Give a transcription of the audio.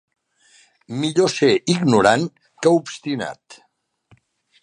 Millor ser ignorant que obstinat.